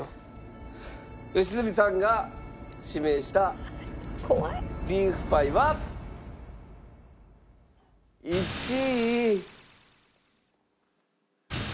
良純さんが指名したリーフパイは１位。